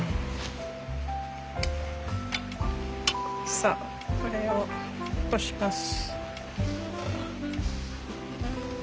さあこれをこします。